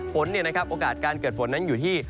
ฝนเนี่ยนะครับโอกาสการเกิดฝนนั้นอยู่ที่